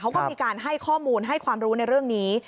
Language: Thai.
เขาก็มีการให้ข้อมูลให้ความรู้ในเรื่องนี้